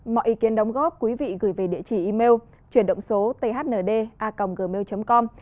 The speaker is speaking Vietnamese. mọi ý kiến đóng góp quý vị gửi về địa chỉ email chuyển động số thnda gmail com